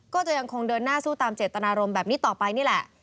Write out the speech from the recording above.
ก็จะยังคงเดินหน้าสู้ตามเจตนารมณ์แบบนี้ต่อไปนี่แหละ